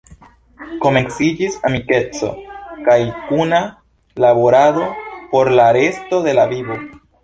Komenciĝis amikeco kaj kuna laborado por la resto de la vivo.